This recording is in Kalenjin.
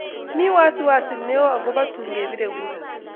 Mi wasiwasi neo akopo tun kepire kura